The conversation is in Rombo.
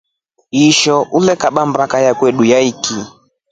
Isho ulekaba baka yamotru yaiki.